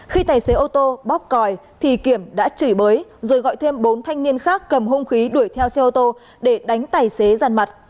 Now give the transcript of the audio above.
khi tài xế ô tô bóp còi thì kiểm đã chửi bới rồi gọi thêm bốn thanh niên khác cầm hung khí đuổi theo xe ô tô để đánh tài xế giàn mặt